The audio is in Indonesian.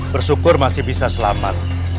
bersyukur masih bisa selamat